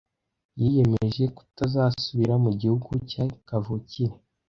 Yiyemeje kutazasubira mu gihugu cye kavukire.